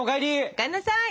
お帰んなさい。